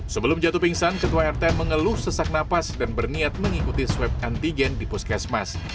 sebelum jatuh pingsan ketua rt mengeluh sesak nafas dan berniat mengikuti swab antigen di puskesmas